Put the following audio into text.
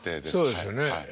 そうですよね。